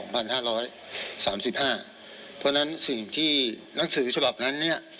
เพราะฉะนั้นสิ่งที่นักสือฉบับนั้น